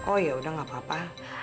oh yaudah gak apa apa